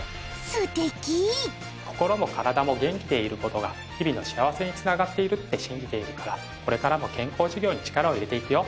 ステキ心も体も元気でいることが日々の幸せに繋がっているって信じているからこれからも健康事業に力を入れていくよ